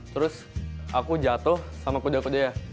terus aku jatuh sama kuda kuda ya